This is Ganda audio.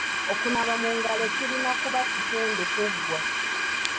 Okunaaba mu ngalo kirina kuba kitundu ku ggwe.